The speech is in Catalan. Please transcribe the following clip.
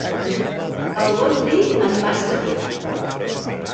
El bon vi, en vas petit.